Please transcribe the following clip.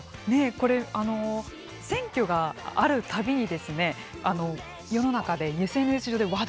これ、選挙があるたびに、世の中で、ここが。